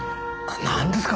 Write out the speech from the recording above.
なんですか？